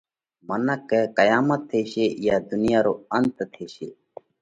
منک ڪئه: قيامت ٿيشي، اِيئا ڌُنيا رو انت ٿيشي۔